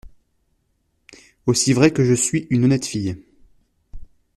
Aussi vrai que je suis une honnête fille !